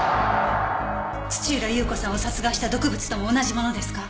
土浦裕子さんを殺害した毒物とも同じものですか？